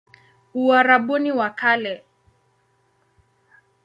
Uarabuni wa Kale